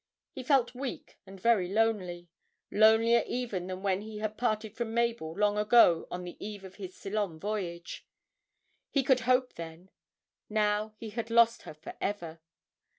He felt weak and very lonely lonelier even than when he had parted from Mabel long ago on the eve of his Ceylon voyage. He could hope then; now he had lost her for ever!